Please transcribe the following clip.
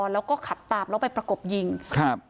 แล้วก็ขับตามแล้วไปประกบยิงครับ